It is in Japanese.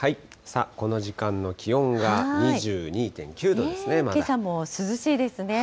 この時間の気温が２２．９度ですね、けさも涼しいですね。